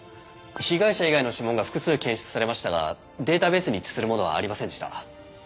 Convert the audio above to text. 被害者以外の指紋が複数検出されましたがデータベースに一致するものはありませんでした。